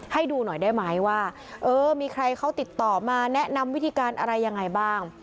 ให้ดูหน่อยได้ไหมว่าเออมีใครเขาติดต่อมาแนะนำวิธีการอะไรยังไงบ้าง